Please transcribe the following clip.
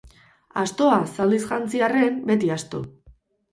Astoa, zaldiz jantzi arren, beti asto.